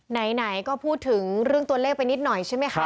ไหนก็พูดถึงเรื่องตัวเลขไปนิดหน่อยใช่ไหมคะ